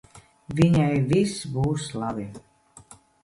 Viņai viss būs labi.